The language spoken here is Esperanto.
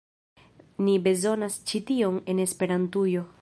Ni bezonas ĉi tion en Esperantujo